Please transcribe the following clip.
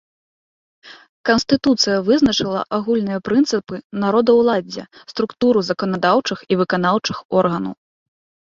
Канстытуцыя вызначыла агульныя прынцыпы народаўладдзя, структуру заканадаўчых і выканаўчых органаў.